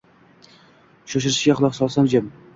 Sho’rishiga quloq solsam jim…